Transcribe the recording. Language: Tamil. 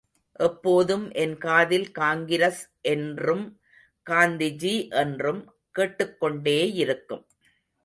எப்போதும் என் காதில் காங்கிரஸ் என்றும் காந்திஜி என்றும் கேட்டுக்கொண்டேயிருக்கும்.